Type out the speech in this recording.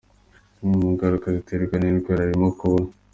Zimwe mu ngaruka ziterwa n’iyi ndwara harimo kuba:.